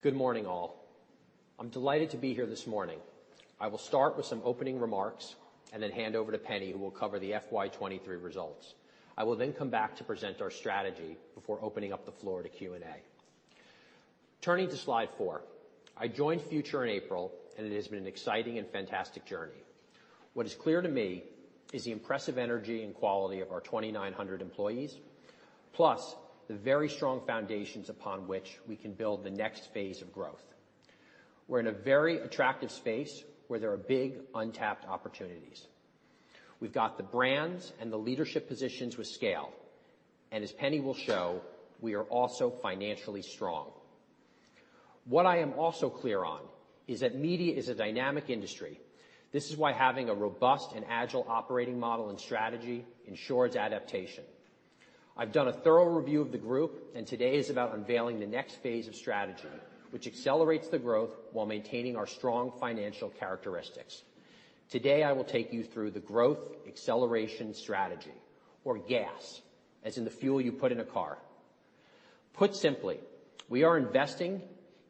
Good morning, all. I'm delighted to be here this morning. I will start with some opening remarks, and then hand over to Penny, who will cover the FY 2023 results. I will then come back to present our strategy before opening up the floor to Q&A. Turning to slide four, I joined Future in April, and it has been an exciting and fantastic journey. What is clear to me is the impressive energy and quality of our 2,900 employees, plus the very strong foundations upon which we can build the next phase of growth. We're in a very attractive space where there are big, untapped opportunities. We've got the brands and the leadership positions with scale, and as Penny will show, we are also financially strong. What I am also clear on is that media is a dynamic industry. This is why having a robust and agile operating model and strategy ensures adaptation. I've done a thorough review of the group, and today is about unveiling the next phase of strategy, which accelerates the growth while maintaining our strong financial characteristics. Today, I will take you through the growth acceleration strategy, or GAS, as in the fuel you put in a car. Put simply, we are investing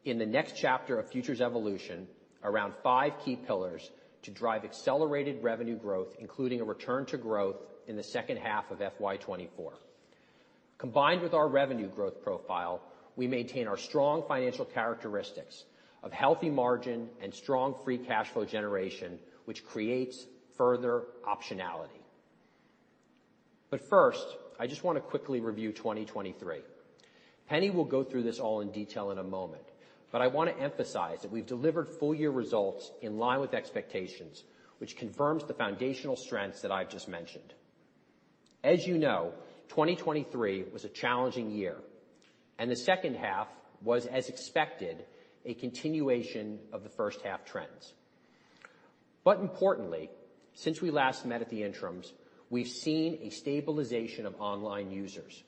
in the next chapter of Future's evolution around five key pillars to drive accelerated revenue growth, including a return to growth in the second half of FY 2024. Combined with our revenue growth profile, we maintain our strong financial characteristics of healthy margin and strong free cash flow generation, which creates further optionality. But first, I just want to quickly review 2023. Penny will go through this all in detail in a moment, but I want to emphasize that we've delivered full year results in line with expectations, which confirms the foundational strengths that I've just mentioned. As you know, 2023 was a challenging year, and the second half was, as expected, a continuation of the first half trends. But importantly, since we last met at the interims, we've seen a stabilization of online users,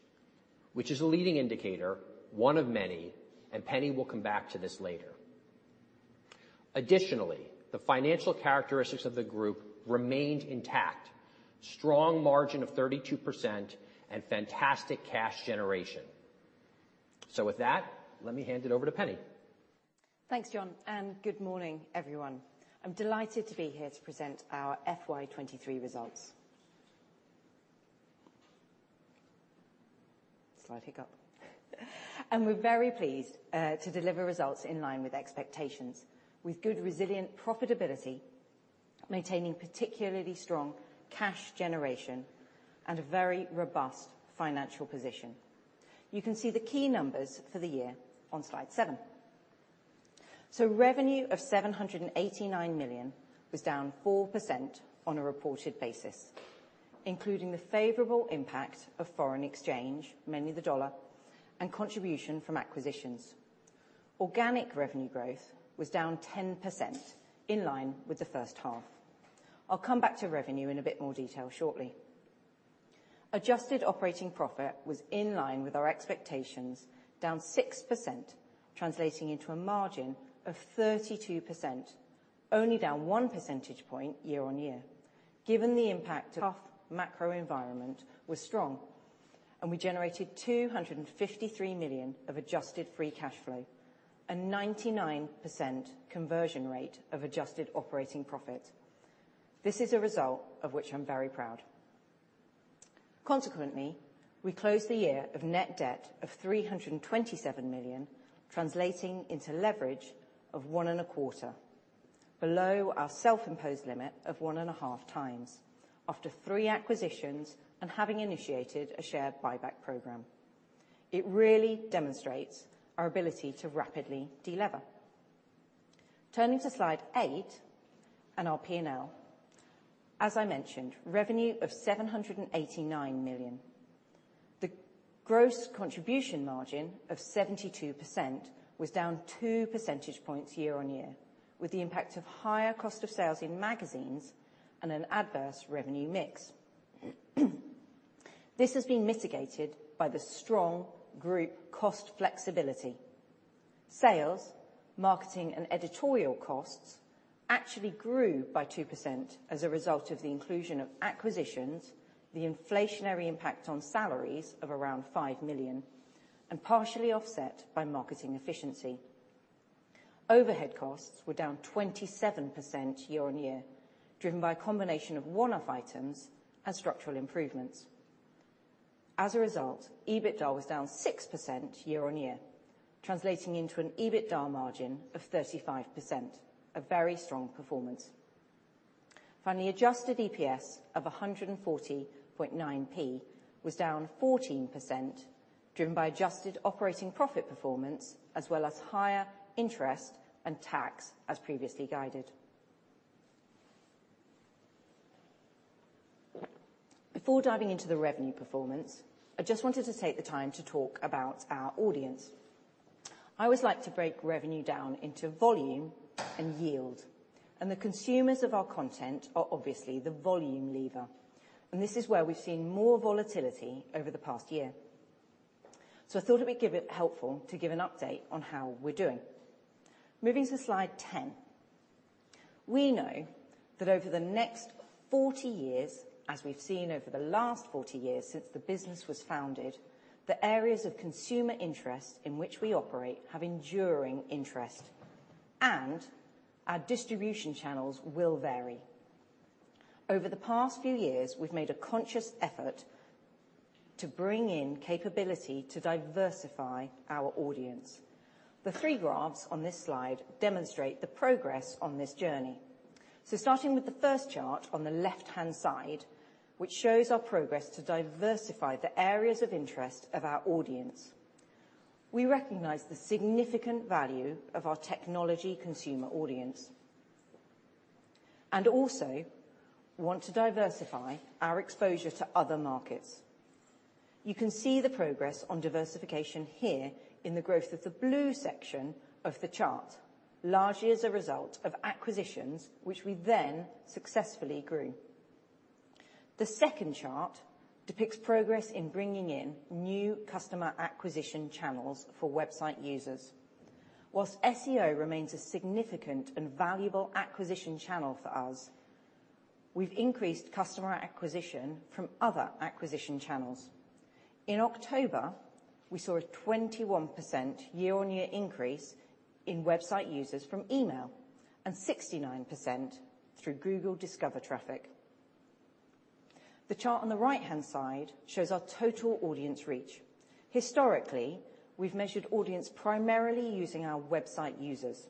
which is a leading indicator, one of many, and Penny will come back to this later. Additionally, the financial characteristics of the group remained intact, strong margin of 32% and fantastic cash generation. With that, let me hand it over to Penny. Thanks, Jon, and good morning, everyone. I'm delighted to be here to present our FY 2023 results. Slide hiccup. We're very pleased to deliver results in line with expectations, with good, resilient profitability, maintaining particularly strong cash generation and a very robust financial position. You can see the key numbers for the year on slide seven. Revenue of 789 million was down 4% on a reported basis, including the favorable impact of foreign exchange, mainly the dollar, and contribution from acquisitions. Organic revenue growth was down 10%, in line with the first half. I'll come back to revenue in a bit more detail shortly. Adjusted operating profit was in line with our expectations, down 6%, translating into a margin of 32%, only down 1 percentage point year-on-year. Given the impact, tough macro environment was strong, and we generated 253 million of adjusted free cash flow, a 99% conversion rate of adjusted operating profit. This is a result of which I'm very proud. Consequently, we closed the year of net debt of 327 million, translating into leverage of 1.25, below our self-imposed limit of 1.5 times, after three acquisitions and having initiated a share buyback program. It really demonstrates our ability to rapidly de-lever. Turning to slide eight and our P&L. As I mentioned, revenue of 789 million. The gross contribution margin of 72% was down two percentage points year-on-year, with the impact of higher cost of sales in magazines and an adverse revenue mix. This has been mitigated by the strong group cost flexibility. Sales, marketing, and editorial costs actually grew by 2% as a result of the inclusion of acquisitions, the inflationary impact on salaries of around 5 million, and partially offset by marketing efficiency. Overhead costs were down 27% year-on-year, driven by a combination of one-off items and structural improvements. As a result, EBITDA was down 6% year-on-year, translating into an EBITDA margin of 35%, a very strong performance. Finally, adjusted EPS of 140.9p was down 14%, driven by adjusted operating profit performance, as well as higher interest and tax, as previously guided. Before diving into the revenue performance, I just wanted to take the time to talk about our audience. I always like to break revenue down into volume and yield, and the consumers of our content are obviously the volume lever, and this is where we've seen more volatility over the past year. So I thought it would be helpful to give an update on how we're doing. Moving to Slide 10. We know that over the next 40 years, as we've seen over the last 40 years since the business was founded, the areas of consumer interest in which we operate have enduring interest, and our distribution channels will vary. Over the past few years, we've made a conscious effort to bring in capability to diversify our audience. The three graphs on this slide demonstrate the progress on this journey. Starting with the first chart on the left-hand side, which shows our progress to diversify the areas of interest of our audience. We recognize the significant value of our technology consumer audience, and also want to diversify our exposure to other markets. You can see the progress on diversification here in the growth of the blue section of the chart, largely as a result of acquisitions, which we then successfully grew. The second chart depicts progress in bringing in new customer acquisition channels for website users. While SEO remains a significant and valuable acquisition channel for us, we've increased customer acquisition from other acquisition channels. In October, we saw a 21% year-on-year increase in website users from email and 69% through Google Discover traffic. The chart on the right-hand side shows our total audience reach. Historically, we've measured audience primarily using our website users.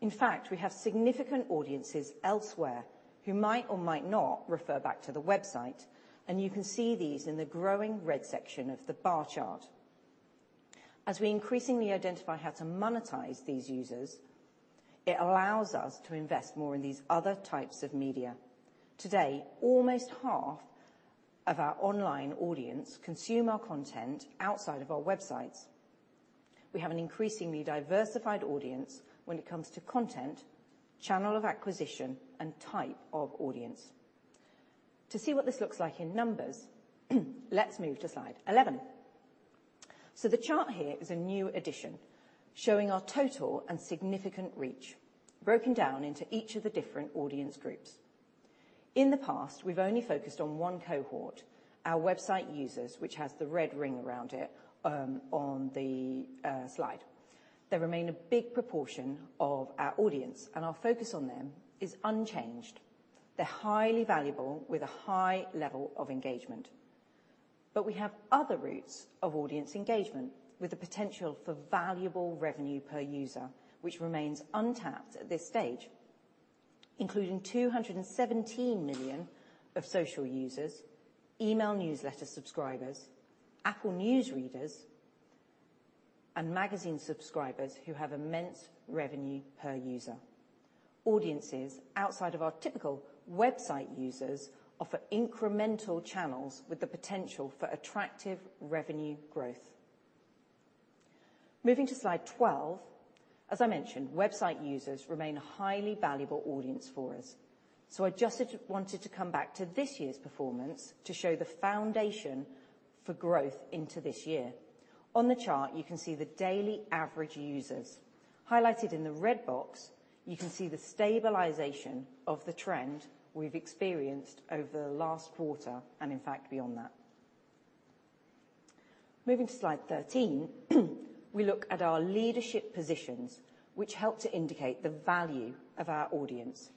In fact, we have significant audiences elsewhere who might or might not refer back to the website, and you can see these in the growing red section of the bar chart. As we increasingly identify how to monetize these users, it allows us to invest more in these other types of media. Today, almost half of our online audience consume our content outside of our websites. We have an increasingly diversified audience when it comes to content, channel of acquisition, and type of audience. To see what this looks like in numbers, let's move to slide 11. So the chart here is a new addition, showing our total and significant reach, broken down into each of the different audience groups. In the past, we've only focused on one cohort, our website users, which has the red ring around it on the slide. They remain a big proportion of our audience, and our focus on them is unchanged. They're highly valuable with a high level of engagement. But we have other routes of audience engagement, with the potential for valuable revenue per user, which remains untapped at this stage, including 217 million social users, email newsletter subscribers, Apple News readers, and magazine subscribers who have immense revenue per user. Audiences outside of our typical website users offer incremental channels with the potential for attractive revenue growth. Moving to slide 12, as I mentioned, website users remain a highly valuable audience for us, so I just wanted to come back to this year's performance to show the foundation for growth into this year. On the chart, you can see the daily average users. Highlighted in the red box, you can see the stabilization of the trend we've experienced over the last quarter, and in fact, beyond that. Moving to slide 13, we look at our leadership positions, which help to indicate the value of our audience.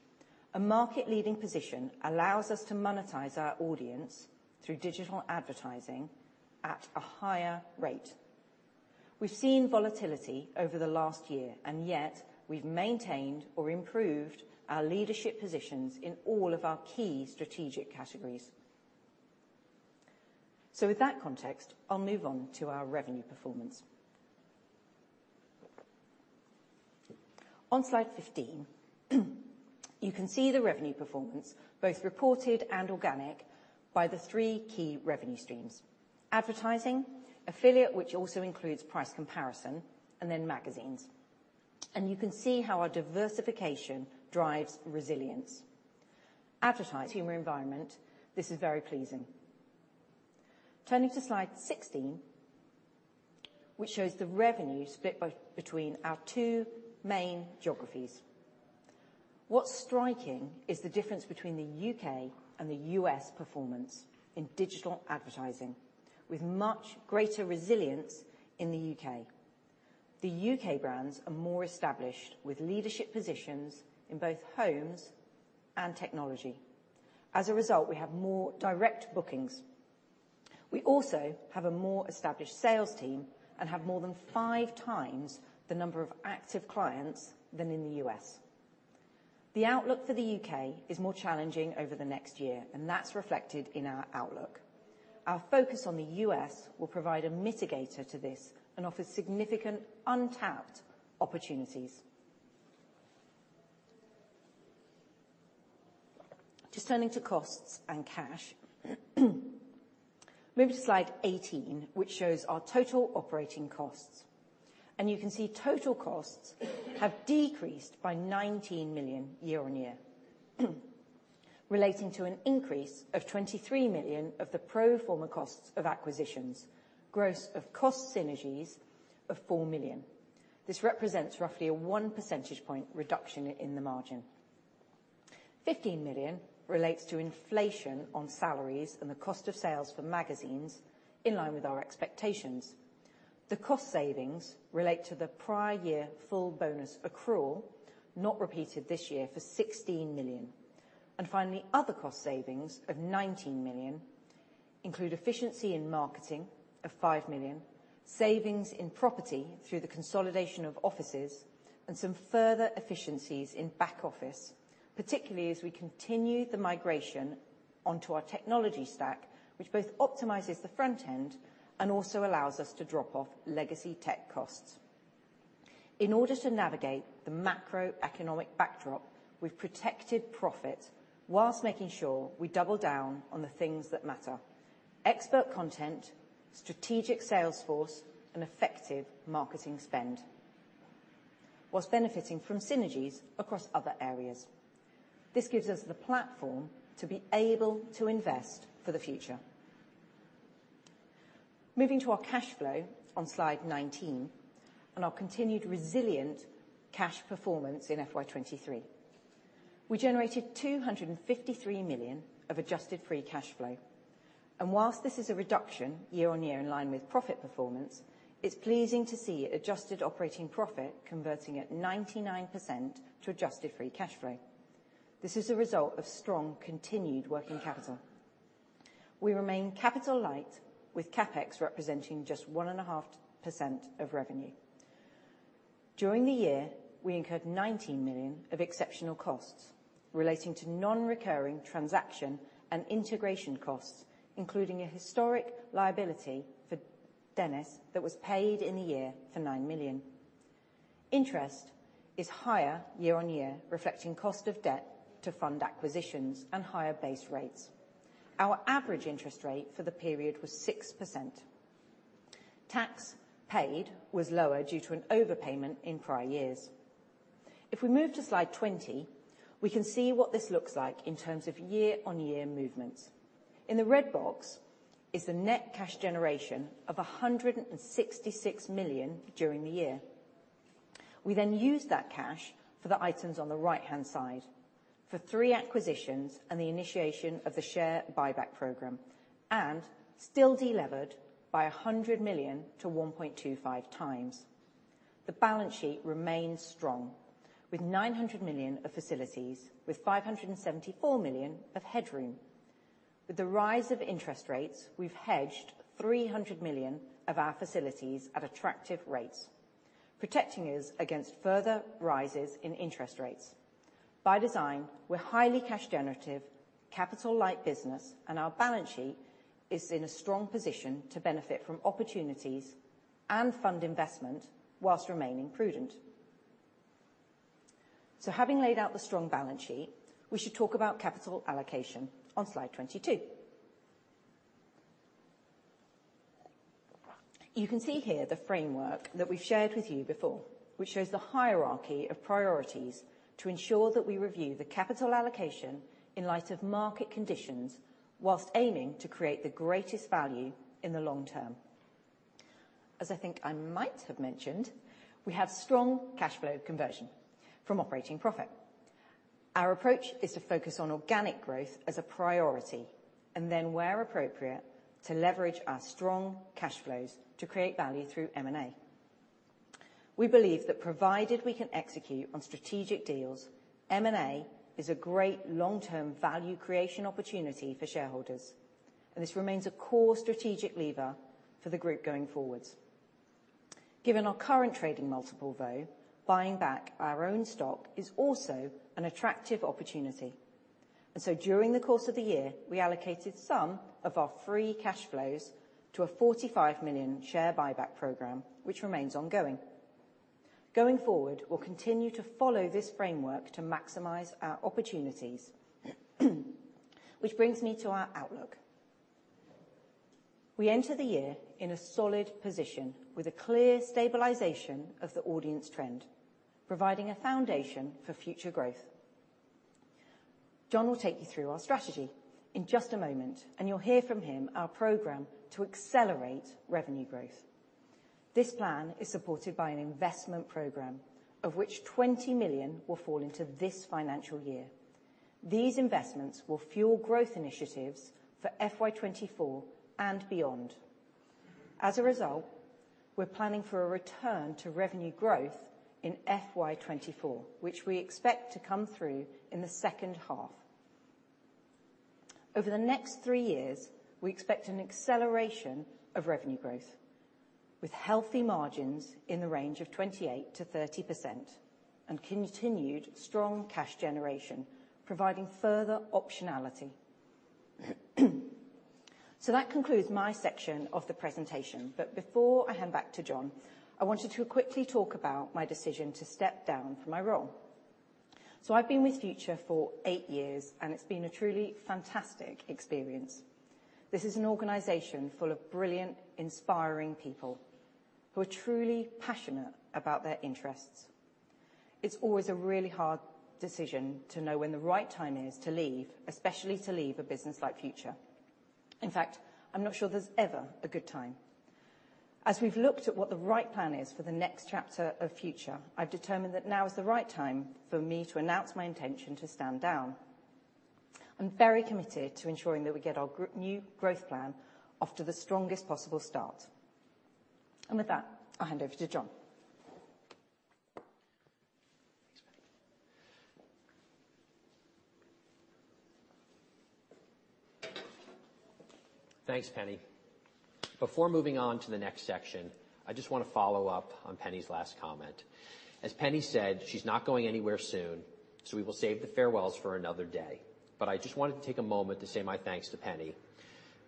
A market-leading position allows us to monetize our audience through digital advertising at a higher rate. We've seen volatility over the last year, and yet we've maintained or improved our leadership positions in all of our key strategic categories. So with that context, I'll move on to our revenue performance. On slide 15, you can see the revenue performance, both reported and organic, by the three key revenue streams: advertising, affiliate, which also includes price comparison, and then magazines. And you can see how our diversification drives resilience. The advertising environment, this is very pleasing. Turning to slide 16, which shows the revenue split between our two main geographies. What's striking is the difference between the U.K. and the U.S. performance in digital advertising, with much greater resilience in the U.K. The U.K. brands are more established, with leadership positions in both homes and technology. As a result, we have more direct bookings. We also have a more established sales team and have more than 5 times the number of active clients than in the U.S. The outlook for the U.K. is more challenging over the next year, and that's reflected in our outlook. Our focus on the U.S. will provide a mitigator to this and offer significant untapped opportunities. Just turning to costs and cash. Moving to slide 18, which shows our total operating costs, and you can see total costs have decreased by 19 million year-on-year. Relating to an increase of 23 million of the pro forma costs of acquisitions, gross of cost synergies of 4 million. This represents roughly a 1 percentage point reduction in the margin. 15 million relates to inflation on salaries and the cost of sales for magazines, in line with our expectations. The cost savings relate to the prior year full bonus accrual, not repeated this year for 16 million. And finally, other cost savings of 19 million include efficiency in marketing of 5 million, savings in property through the consolidation of offices, and some further efficiencies in back office, particularly as we continue the migration onto our technology stack, which both optimizes the front end and also allows us to drop off legacy tech costs. In order to navigate the macroeconomic backdrop, we've protected profit whilst making sure we double down on the things that matter, expert content, strategic sales force, and effective marketing spend, whilst benefiting from synergies across other areas. This gives us the platform to be able to invest for the future. Moving to our cash flow on slide 19, and our continued resilient cash performance in FY 2023. We generated 253 million of adjusted free cash flow, and whilst this is a reduction year-on-year in line with profit performance, it's pleasing to see adjusted operating profit converting at 99% to adjusted free cash flow. This is a result of strong, continued working capital. We remain capital light, with CapEx representing just 1.5% of revenue. During the year, we incurred 19 million of exceptional costs relating to non-recurring transaction and integration costs, including a historic liability for Dennis that was paid in the year for 9 million. Interest is higher year-on-year, reflecting cost of debt to fund acquisitions and higher base rates. Our average interest rate for the period was 6%. Tax paid was lower due to an overpayment in prior years. If we move to slide 20, we can see what this looks like in terms of year-on-year movements. In the red box is the net cash generation of 166 million during the year. We then used that cash for the items on the right-hand side, for three acquisitions and the initiation of the share buyback program, and still delevered by 100 million to 1.25 times. The balance sheet remains strong, with 900 million of facilities, with 574 million of headroom. With the rise of interest rates, we've hedged 300 million of our facilities at attractive rates, protecting us against further rises in interest rates. By design, we're highly cash generative, capital-light business, and our balance sheet is in a strong position to benefit from opportunities and fund investment while remaining prudent. So having laid out the strong balance sheet, we should talk about capital allocation on slide 22. You can see here the framework that we've shared with you before, which shows the hierarchy of priorities to ensure that we review the capital allocation in light of market conditions while aiming to create the greatest value in the long term. As I think I might have mentioned, we have strong cash flow conversion from operating profit. Our approach is to focus on organic growth as a priority, and then, where appropriate, to leverage our strong cash flows to create value through M&A. We believe that provided we can execute on strategic deals, M&A is a great long-term value creation opportunity for shareholders, and this remains a core strategic lever for the group going forward. Given our current trading multiple, though, buying back our own stock is also an attractive opportunity, and so during the course of the year, we allocated some of our free cash flows to a 45 million share buyback program, which remains ongoing. Going forward, we'll continue to follow this framework to maximize our opportunities, which brings me to our outlook. We enter the year in a solid position, with a clear stabilization of the audience trend, providing a foundation for future growth. Jon will take you through our strategy in just a moment, and you'll hear from him our program to accelerate revenue growth. This plan is supported by an investment program, of which 20 million will fall into this financial year. These investments will fuel growth initiatives for FY 2024 and beyond. As a result, we're planning for a return to revenue growth in FY 2024, which we expect to come through in the second half. Over the next three years, we expect an acceleration of revenue growth, with healthy margins in the range of 28%-30% and continued strong cash generation, providing further optionality. So that concludes my section of the presentation, but before I hand back to Jon, I wanted to quickly talk about my decision to step down from my role. So I've been with Future for eight years, and it's been a truly fantastic experience. This is an organization full of brilliant, inspiring people... who are truly passionate about their interests. It's always a really hard decision to know when the right time is to leave, especially to leave a business like Future. In fact, I'm not sure there's ever a good time. As we've looked at what the right plan is for the next chapter of Future, I've determined that now is the right time for me to announce my intention to stand down. I'm very committed to ensuring that we get our growth plan off to the strongest possible start. And with that, I'll hand over to Jon. Thanks, Penny. Before moving on to the next section, I just wanna follow up on Penny's last comment. As Penny said, she's not going anywhere soon, so we will save the farewells for another day. But I just wanted to take a moment to say my thanks to Penny.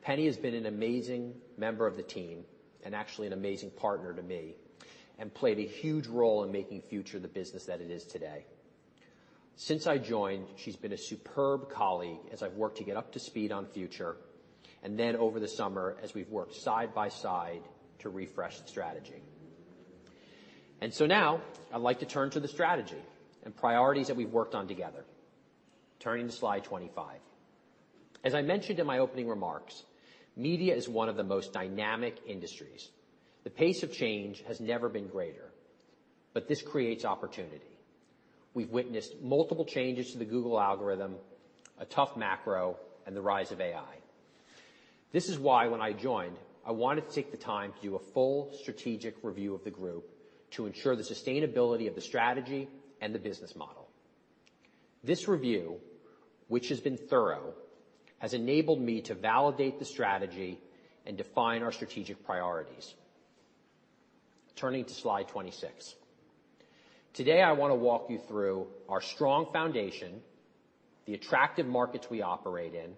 Penny has been an amazing member of the team, and actually an amazing partner to me, and played a huge role in making Future the business that it is today. Since I joined, she's been a superb colleague, as I've worked to get up to speed on Future, and then over the summer, as we've worked side by side to refresh the strategy. And so now I'd like to turn to the strategy and priorities that we've worked on together. Turning to slide 25. As I mentioned in my opening remarks, media is one of the most dynamic industries. The pace of change has never been greater, but this creates opportunity. We've witnessed multiple changes to the Google algorithm, a tough macro, and the rise of AI. This is why, when I joined, I wanted to take the time to do a full strategic review of the group to ensure the sustainability of the strategy and the business model. This review, which has been thorough, has enabled me to validate the strategy and define our strategic priorities. Turning to slide 26. Today, I wanna walk you through our strong foundation, the attractive markets we operate in,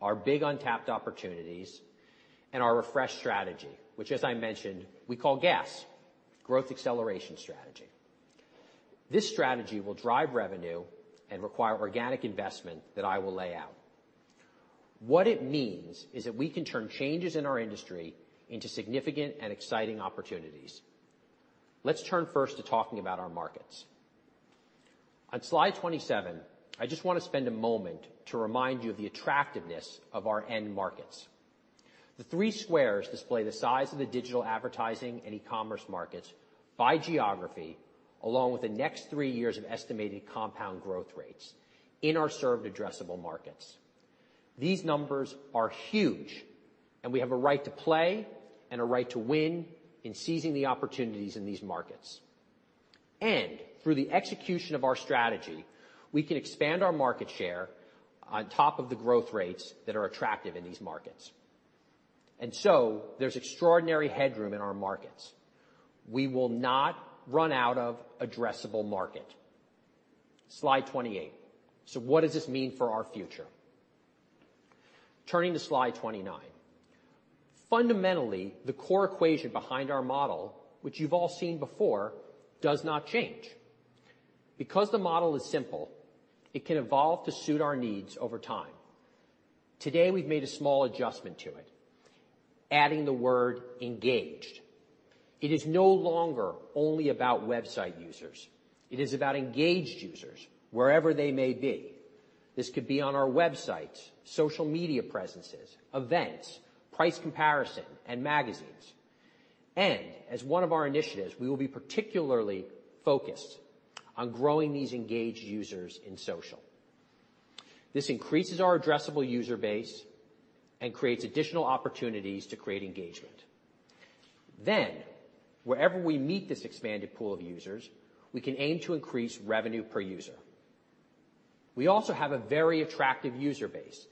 our big untapped opportunities, and our refreshed strategy, which, as I mentioned, we call GAS, Growth Acceleration Strategy. This strategy will drive revenue and require organic investment that I will lay out. What it means is that we can turn changes in our industry into significant and exciting opportunities. Let's turn first to talking about our markets. On slide 27, I just wanna spend a moment to remind you of the attractiveness of our end markets. The three squares display the size of the digital advertising and e-commerce markets by geography, along with the next 3 years of estimated compound growth rates in our served addressable markets. These numbers are huge, and we have a right to play and a right to win in seizing the opportunities in these markets. And through the execution of our strategy, we can expand our market share on top of the growth rates that are attractive in these markets. And so there's extraordinary headroom in our markets. We will not run out of addressable market. Slide 28. So what does this mean for our future? Turning to slide 29. Fundamentally, the core equation behind our model, which you've all seen before, does not change. Because the model is simple, it can evolve to suit our needs over time. Today, we've made a small adjustment to it, adding the word engaged. It is no longer only about website users. It is about engaged users, wherever they may be. This could be on our websites, social media presences, events, price comparison, and magazines. And as one of our initiatives, we will be particularly focused on growing these engaged users in social. This increases our addressable user base and creates additional opportunities to create engagement. Then, wherever we meet this expanded pool of users, we can aim to increase revenue per user. We also have a very attractive user base.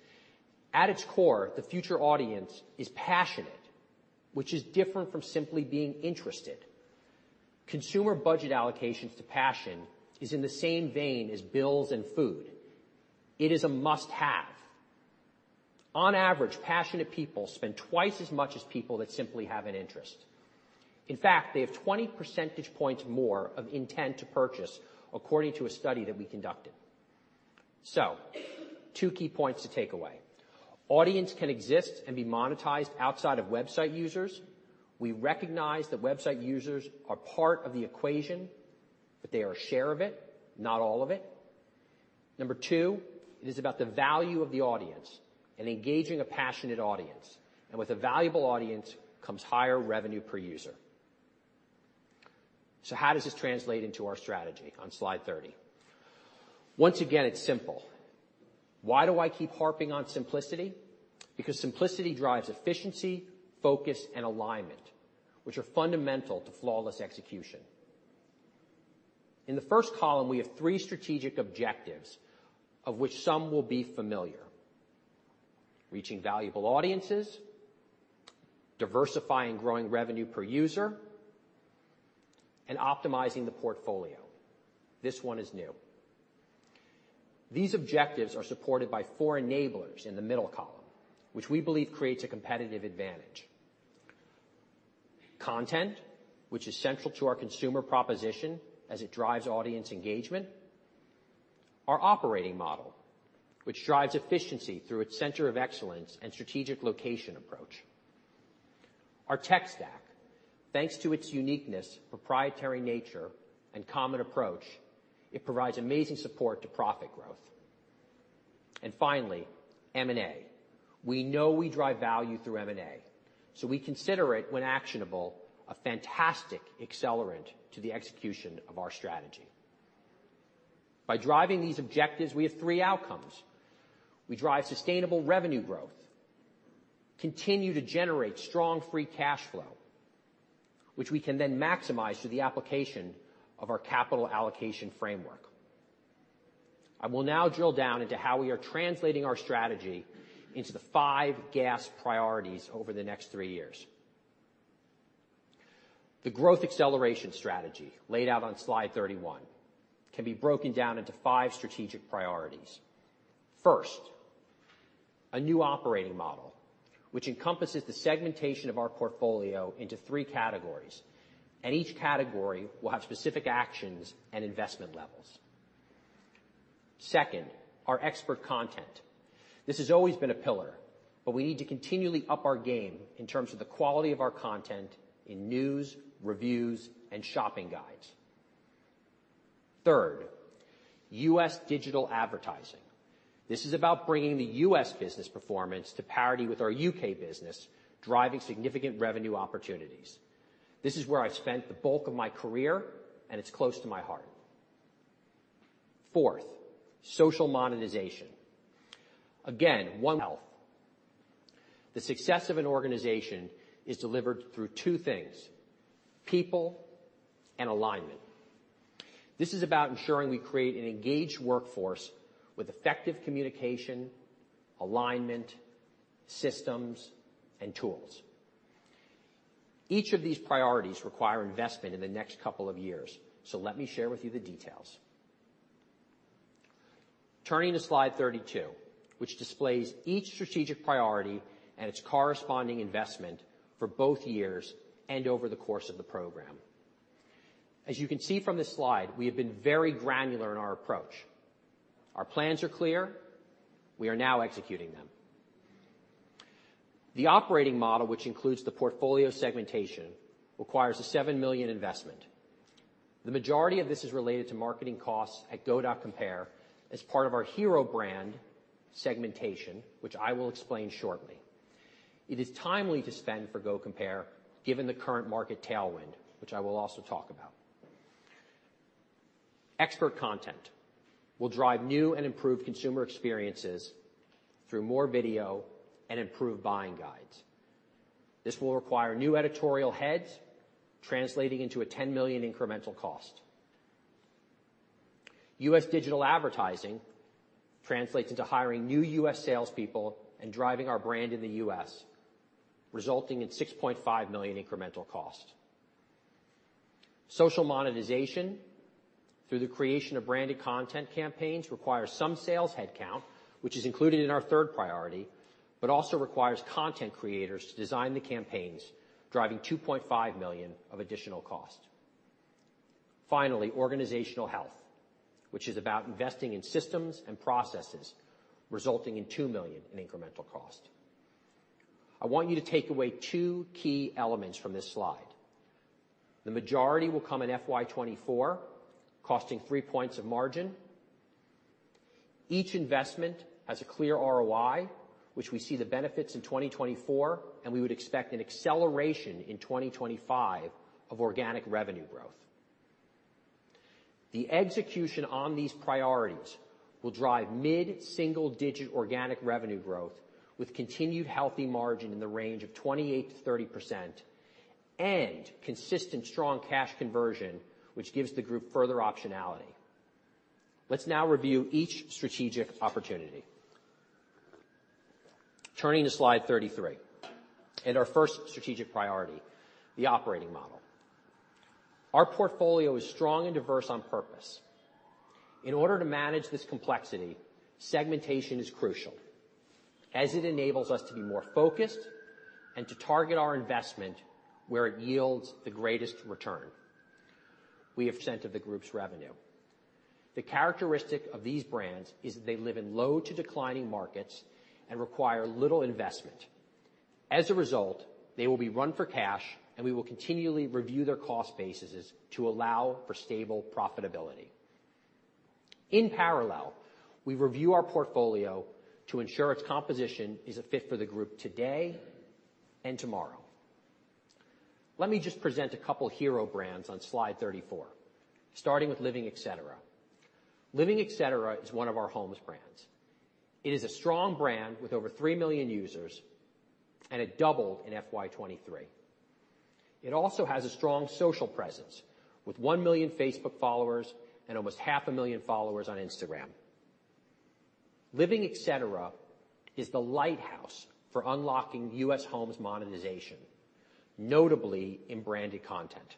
At its core, the Future audience is passionate, which is different from simply being interested. Consumer budget allocations to passion is in the same vein as bills and food. It is a must-have. On average, passionate people spend twice as much as people that simply have an interest. In fact, they have 20 percentage points more of intent to purchase, according to a study that we conducted. So two key points to take away: Audience can exist and be monetized outside of website users. We recognize that website users are part of the equation, but they are a share of it, not all of it. Number two, it is about the value of the audience and engaging a passionate audience, and with a valuable audience comes higher revenue per user. So how does this translate into our strategy on Slide 30? Once again, it's simple. Why do I keep harping on simplicity? Because simplicity drives efficiency, focus, and alignment, which are fundamental to flawless execution. In the first column, we have three strategic objectives, of which some will be familiar: reaching valuable audiences, diversifying growing revenue per user, and optimizing the portfolio. This one is new. These objectives are supported by four enablers in the middle column, which we believe creates a competitive advantage. Content, which is central to our consumer proposition as it drives audience engagement. Our operating model, which drives efficiency through its center of excellence and strategic location approach. Our tech stack, thanks to its uniqueness, proprietary nature, and common approach, it provides amazing support to profit growth. And finally, M&A. We know we drive value through M&A, so we consider it, when actionable, a fantastic accelerant to the execution of our strategy. By driving these objectives, we have three outcomes. We drive sustainable revenue growth, continue to generate strong free cash flow, which we can then maximize through the application of our capital allocation framework. I will now drill down into how we are translating our strategy into the 5 GAS priorities over the next three years. The growth acceleration strategy, laid out on slide 31, can be broken down into 5 strategic priorities. First, a new operating model, which encompasses the segmentation of our portfolio into 3 categories, and each category will have specific actions and investment levels. Second, our expert content. This has always been a pillar, but we need to continually up our game in terms of the quality of our content in news, reviews, and shopping guides. Third, U.S. digital advertising. This is about bringing the U.S. business performance to parity with our U.K. business, driving significant revenue opportunities. This is where I've spent the bulk of my career, and it's close to my heart. Fourth, social monetization. Again, one health. The success of an organization is delivered through two things: people and alignment. This is about ensuring we create an engaged workforce with effective communication, alignment, systems, and tools. Each of these priorities require investment in the next couple of years, so let me share with you the details. Turning to slide 32, which displays each strategic priority and its corresponding investment for both years and over the course of the program. As you can see from this slide, we have been very granular in our approach. Our plans are clear. We are now executing them. The operating model, which includes the portfolio segmentation, requires a 7 million investment. The majority of this is related to marketing costs at Go.Compare as part of our hero brand segmentation, which I will explain shortly. It is timely to spend for Go.Compare, given the current market tailwind, which I will also talk about. Expert content will drive new and improved consumer experiences through more video and improved buying guides. This will require new editorial heads, translating into a 10 million incremental cost. U.S. digital advertising translates into hiring new U.S. salespeople and driving our brand in the U.S., resulting in a 6.5 million incremental cost. Social monetization through the creation of branded content campaigns, requires some sales headcount, which is included in our third priority, but also requires content creators to design the campaigns, driving 2.5 million of additional cost. Finally, organizational health, which is about investing in systems and processes, resulting in 2 million in incremental cost. I want you to take away two key elements from this slide. The majority will come in FY 2024, costing three points of margin. Each investment has a clear ROI, which we see the benefits in 2024, and we would expect an acceleration in 2025 of organic revenue growth. The execution on these priorities will drive mid-single-digit organic revenue growth, with continued healthy margin in the range of 28%-30%, and consistent strong cash conversion, which gives the group further optionality. Let's now review each strategic opportunity. Turning to slide 33, and our first strategic priority, the operating model. Our portfolio is strong and diverse on purpose. In order to manage this complexity, segmentation is crucial as it enables us to be more focused and to target our investment where it yields the greatest return. We have percent of the group's revenue. The characteristic of these brands is that they live in low to declining markets and require little investment. As a result, they will be run for cash, and we will continually review their cost bases to allow for stable profitability. In parallel, we review our portfolio to ensure its composition is a fit for the group today and tomorrow. Let me just present a couple hero brands on slide 34, starting with Livingetc. Livingetc is one of our Homes brands. It is a strong brand with over 3 million users, and it doubled in FY 2023. It also has a strong social presence, with 1 million Facebook followers and almost 500,000 followers on Instagram. Livingetc is the lighthouse for unlocking US Homes monetization, notably in branded content.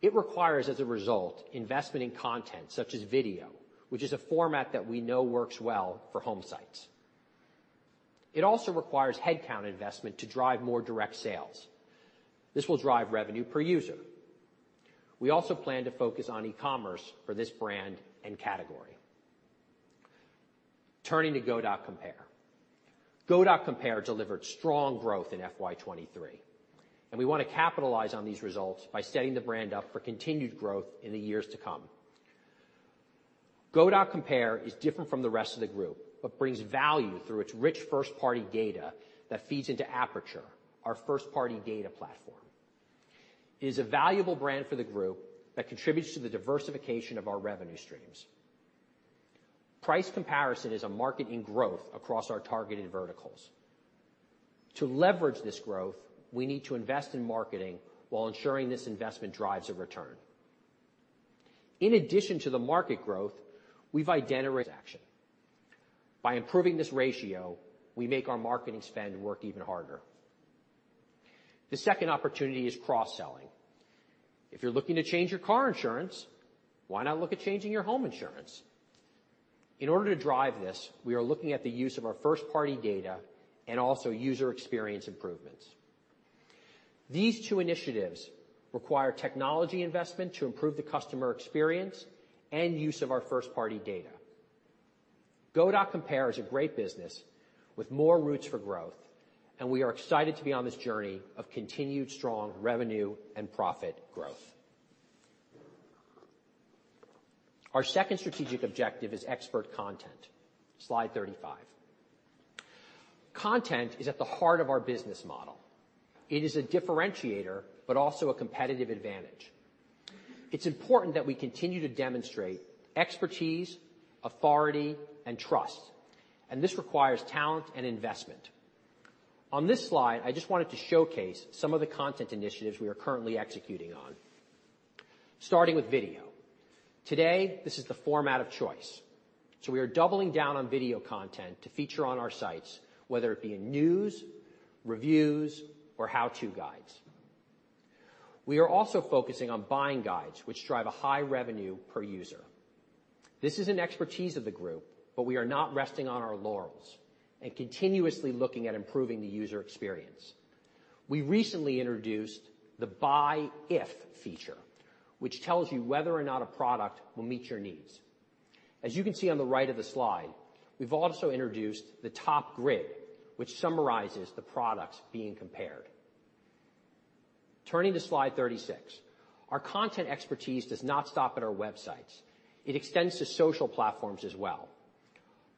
It requires, as a result, investment in content such as video, which is a format that we know works well for home sites. It also requires headcount investment to drive more direct sales. This will drive revenue per user. We also plan to focus on e-commerce for this brand and category. Turning to Go.Compare. Go.Compare delivered strong growth in FY 2023, and we want to capitalize on these results by setting the brand up for continued growth in the years to come. Go.Compare is different from the rest of the group, but brings value through its rich first-party data that feeds into Aperture, our first-party data platform. It is a valuable brand for the group that contributes to the diversification of our revenue streams. Price comparison is a market in growth across our targeted verticals. To leverage this growth, we need to invest in marketing while ensuring this investment drives a return. In addition to the market growth, we've identified action. By improving this ratio, we make our marketing spend work even harder. The second opportunity is cross-selling. If you're looking to change your car insurance, why not look at changing your home insurance? In order to drive this, we are looking at the use of our first-party data and also user experience improvements. These two initiatives require technology investment to improve the customer experience and use of our first-party data. Go.Compare is a great business with more routes for growth, and we are excited to be on this journey of continued strong revenue and profit growth. Our second strategic objective is expert content. Slide 35. Content is at the heart of our business model. It is a differentiator, but also a competitive advantage. It's important that we continue to demonstrate expertise, authority, and trust, and this requires talent and investment. On this slide, I just wanted to showcase some of the content initiatives we are currently executing on, starting with video. Today, this is the format of choice, so we are doubling down on video content to feature on our sites, whether it be in news, reviews, or how-to guides. We are also focusing on buying guides, which drive a high revenue per user. This is an expertise of the group, but we are not resting on our laurels and continuously looking at improving the user experience. We recently introduced the Buy If feature, which tells you whether or not a product will meet your needs. As you can see on the right of the slide, we've also introduced the top grid, which summarizes the products being compared. Turning to slide 36. Our content expertise does not stop at our websites. It extends to social platforms as well.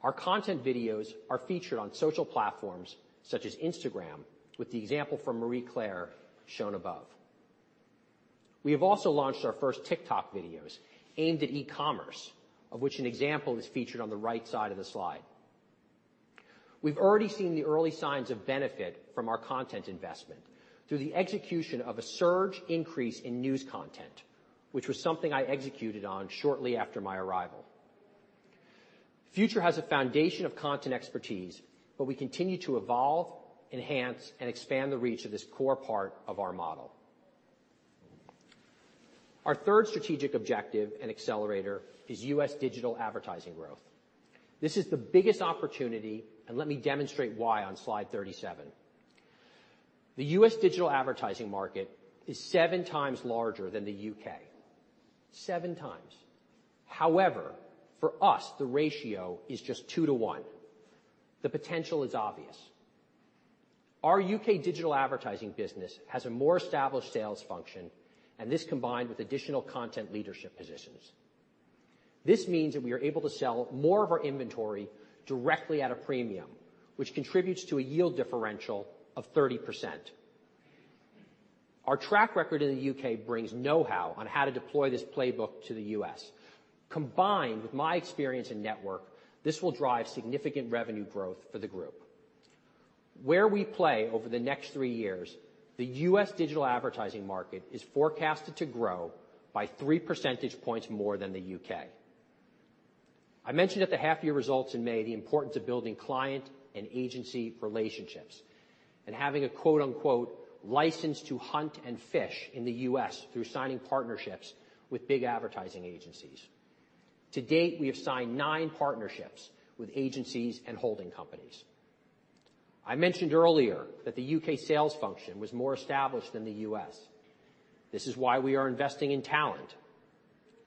Our content videos are featured on social platforms such as Instagram, with the example from Marie Claire shown above. We have also launched our first TikTok videos aimed at e-commerce, of which an example is featured on the right side of the slide. We've already seen the early signs of benefit from our content investment through the execution of a surge increase in news content, which was something I executed on shortly after my arrival. Future has a foundation of content expertise, but we continue to evolve, enhance, and expand the reach of this core part of our model. Our third strategic objective and accelerator is U.S. digital advertising growth. This is the biggest opportunity, and let me demonstrate why on slide 37. The U.S. digital advertising market is 7x larger than the U.K. 7x. However, for us, the ratio is just two to one. The potential is obvious. Our U.K. digital advertising business has a more established sales function, and this combined with additional content leadership positions. This means that we are able to sell more of our inventory directly at a premium, which contributes to a yield differential of 30%. Our track record in the U.K. brings know-how on how to deploy this playbook to the U.S. Combined with my experience and network, this will drive significant revenue growth for the group. Where we play over the next three years, the U.S. digital advertising market is forecasted to grow by 3 percentage points more than the U.K. I mentioned at the half-year results in May, the importance of building client and agency relationships, and having a, quote, unquote, "license to hunt and fish" in the U.S. through signing partnerships with big advertising agencies. To date, we have signed nine partnerships with agencies and holding companies. I mentioned earlier that the U.K. sales function was more established than the U.S. This is why we are investing in talent.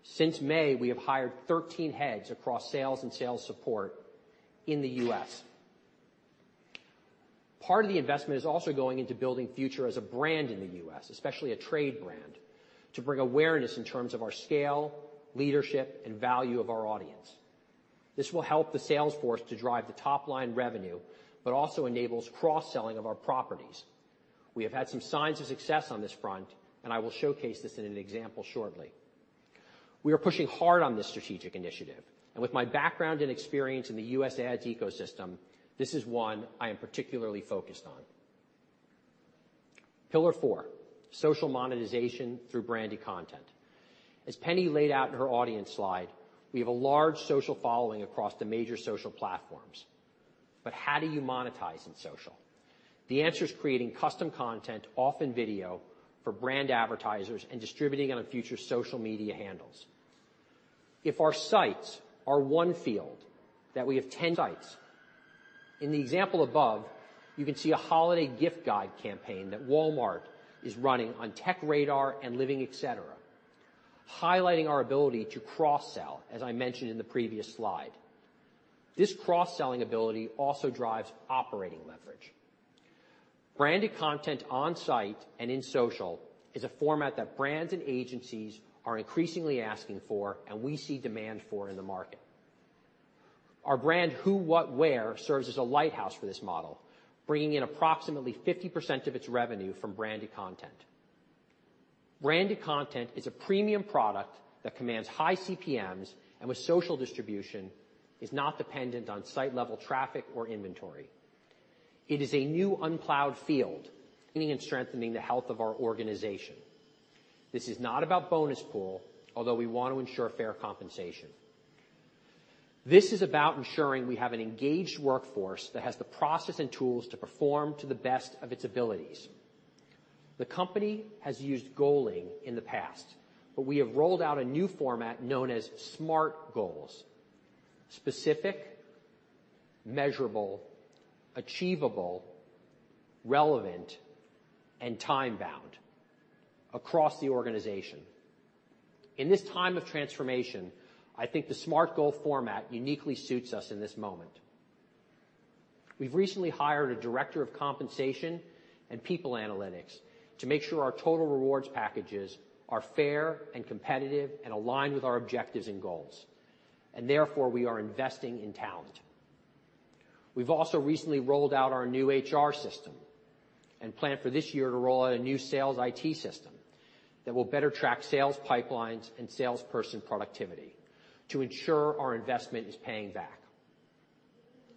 Since May, we have hired 13 heads across sales and sales support in the U.S. Part of the investment is also going into building Future as a brand in the U.S., especially a trade brand, to bring awareness in terms of our scale, leadership, and value of our audience. This will help the sales force to drive the top-line revenue, but also enables cross-selling of our properties. We have had some signs of success on this front, and I will showcase this in an example shortly. We are pushing hard on this strategic initiative, and with my background and experience in the U.S. ads ecosystem, this is one I am particularly focused on. Pillar four, social monetization through branded content. As Penny laid out in her audience slide, we have a large social following across the major social platforms. But how do you monetize in social? The answer is creating custom content, often video, for brand advertisers and distributing it on Future's social media handles. If our sites are one field, that we have 10 sites. In the example above, you can see a holiday gift guide campaign that Walmart is running on TechRadar and Livingetc, et cetera, highlighting our ability to cross-sell, as I mentioned in the previous slide. This cross-selling ability also drives operating leverage. Branded content on site and in social is a format that brands and agencies are increasingly asking for and we see demand for in the market. Our brand, Who What Wear, serves as a lighthouse for this model, bringing in approximately 50% of its revenue from branded content. Branded content is a premium product that commands high CPMs, and with social distribution, is not dependent on site-level traffic or inventory. It is a new unplowed field, meaning and strengthening the health of our organization. This is not about bonus pool, although we want to ensure fair compensation. This is about ensuring we have an engaged workforce that has the process and tools to perform to the best of its abilities. The company has used goaling in the past, but we have rolled out a new format known as SMART goals. Specific, measurable, achievable, relevant, and time-bound across the organization. In this time of transformation, I think the SMART goal format uniquely suits us in this moment. We've recently hired a director of compensation and people analytics to make sure our total rewards packages are fair and competitive, and aligned with our objectives and goals, and therefore, we are investing in talent. We've also recently rolled out our new HR system, and plan for this year to roll out a new sales IT system that will better track sales pipelines and salesperson productivity to ensure our investment is paying back.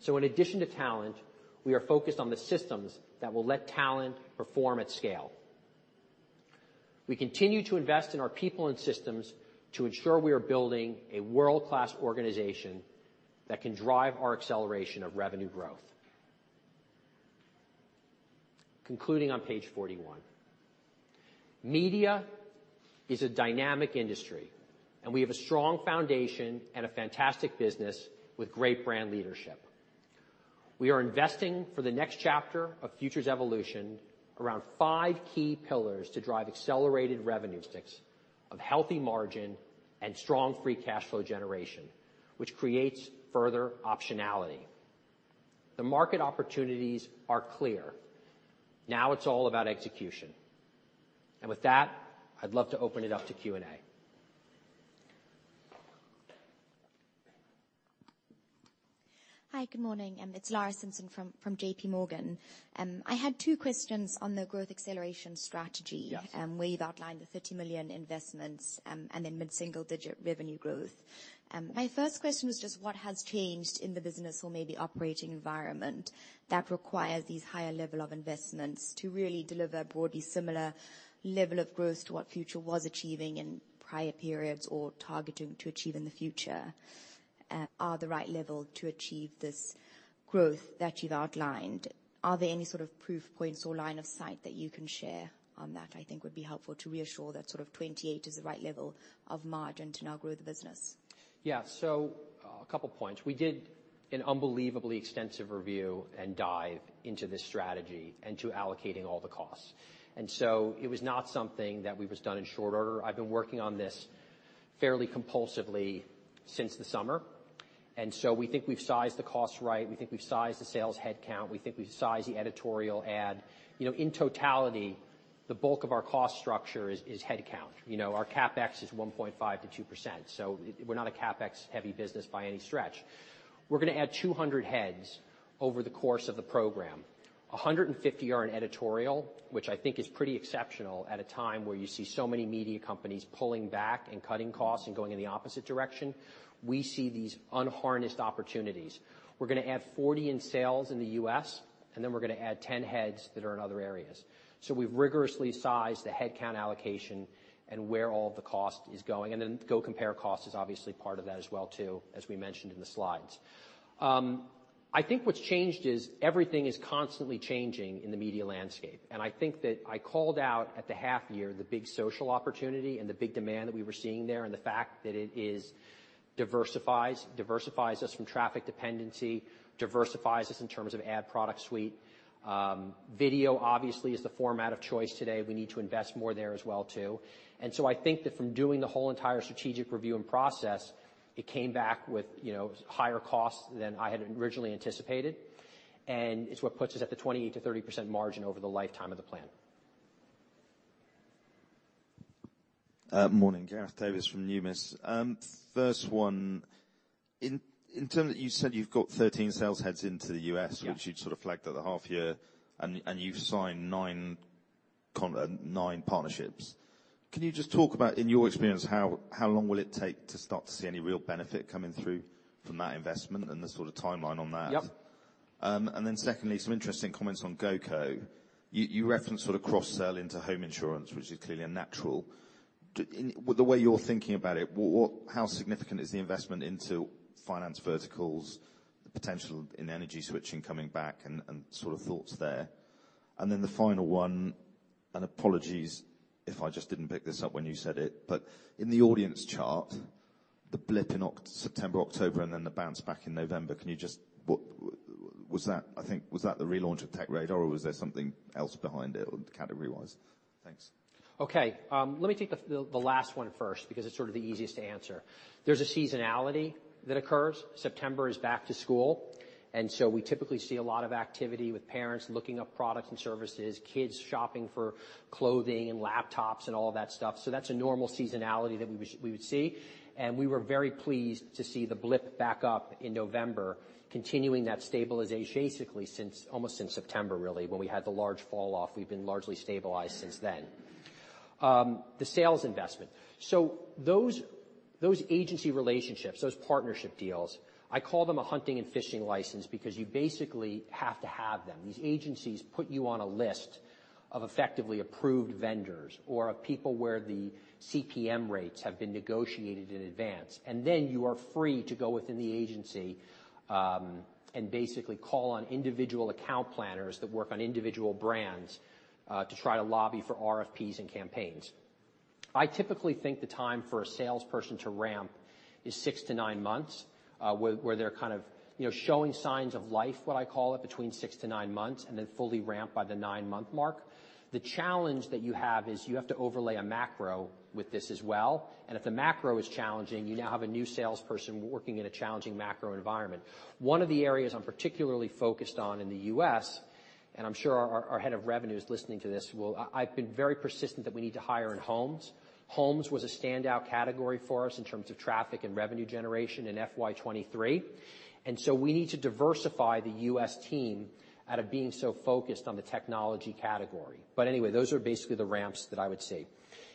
So in addition to talent, we are focused on the systems that will let talent perform at scale. We continue to invest in our people and systems to ensure we are building a world-class organization that can drive our acceleration of revenue growth. Concluding on page 41. Media is a dynamic industry, and we have a strong foundation and a fantastic business with great brand leadership. We are investing for the next chapter of Future's evolution around five key pillars to drive accelerated revenue growth of healthy margin and strong free cash flow generation, which creates further optionality. The market opportunities are clear. Now it's all about execution. And with that, I'd love to open it up to Q&A. Hi, good morning. It's Lara Simpson from JPMorgan. I had two questions on the growth acceleration strategy. Yes. Where you've outlined the 30 million investments, and then mid-single-digit revenue growth. My first question was just what has changed in the business or maybe operating environment that requires these higher level of investments to really deliver broadly similar level of growth to what Future was achieving in prior periods or targeting to achieve in the future, are the right level to achieve this growth that you've outlined? Are there any sort of proof points or line of sight that you can share on that, I think would be helpful to reassure that sort of 28% is the right level of margin to now grow the business. Yeah. So, a couple points. We did an unbelievably extensive review and dive into this strategy and to allocating all the costs, and so it was not something that we was done in short order. I've been working on this fairly compulsively since the summer, and so we think we've sized the costs right. We think we've sized the sales headcount, we think we've sized the editorial ad. You know, in totality, the bulk of our cost structure is, is headcount. You know, our CapEx is 1.5%-2%, so we're not a CapEx-heavy business by any stretch. We're gonna add 200 heads over the course of the program. 150 are in editorial, which I think is pretty exceptional at a time where you see so many media companies pulling back and cutting costs and going in the opposite direction. We see these unharnessed opportunities. We're gonna add 40 in sales in the U.S., and then we're gonna add 10 heads that are in other areas. So we've rigorously sized the headcount allocation and where all of the cost is going, and then Go.Compare cost is obviously part of that as well, too, as we mentioned in the slides. I think what's changed is everything is constantly changing in the media landscape, and I think that I called out at the half year, the big social opportunity and the big demand that we were seeing there, and the fact that it is diversifies, diversifies us from traffic dependency, diversifies us in terms of ad product suite. Video, obviously, is the format of choice today. We need to invest more there as well, too. And so I think that from doing the whole entire strategic review and process, it came back with, you know, higher costs than I had originally anticipated, and it's what puts us at the 28%-30% margin over the lifetime of the plan. Morning. Gareth Davies from Numis. First one, in terms—you said you've got 13 sales heads into the U.S.- Yeah Which you'd sort of flagged at the half year, and you've signed nine partnerships. Can you just talk about, in your experience, how long will it take to start to see any real benefit coming through from that investment and the sort of timeline on that? Yep. And then secondly, some interesting comments on GoCo. You referenced sort of cross-sell into home insurance, which is clearly a natural. In the way you're thinking about it, what how significant is the investment into finance verticals, the potential in energy switching coming back and sort of thoughts there? And then the final one. And apologies if I just didn't pick this up when you said it, but in the audience chart, the blip in September, October, and then the bounce back in November, can you just, what was that, I think, was that the relaunch of TechRadar, or was there something else behind it category-wise? Thanks. Okay, let me take the last one first, because it's sort of the easiest to answer. There's a seasonality that occurs. September is back to school, and so we typically see a lot of activity with parents looking up products and services, kids shopping for clothing and laptops and all that stuff. So that's a normal seasonality that we would see. And we were very pleased to see the blip back up in November, continuing that stabilization, basically, since almost since September, really, when we had the large falloff. We've been largely stabilized since then. The sales investment. So those agency relationships, those partnership deals, I call them a hunting and fishing license, because you basically have to have them. These agencies put you on a list of effectively approved vendors or of people where the CPM rates have been negotiated in advance, and then you are free to go within the agency, and basically call on individual account planners that work on individual brands, to try to lobby for RFPs and campaigns. I typically think the time for a salesperson to ramp is six to nine months, where they're kind of, you know, showing signs of life, what I call it, between six to nine months, and then fully ramped by the nine-month mark. The challenge that you have is you have to overlay a macro with this as well, and if the macro is challenging, you now have a new salesperson working in a challenging macro environment. One of the areas I'm particularly focused on in the U.S., and I'm sure our, our Head of Revenue is listening to this, well, I've been very persistent that we need to hire in homes. Homes was a standout category for us in terms of traffic and revenue generation in FY 2023, and so we need to diversify the U.S. team out of being so focused on the technology category. But anyway, those are basically the ramps that I would see.